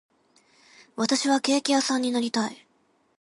私はケーキ屋さんになりたい